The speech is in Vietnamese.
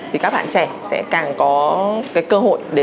thì các bạn trẻ sẽ càng có cái cơ hội để